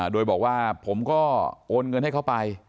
โดยบอกว่าผมก็โอนเงินให้เขาไป